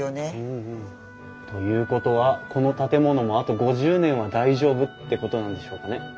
ということはこの建物もあと５０年は大丈夫ってことなんでしょうかね。